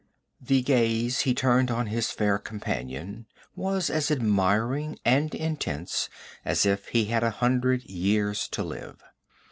The gaze he turned on his fair companion was as admiring and intense as if he had a hundred years to live.